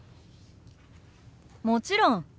もちろん。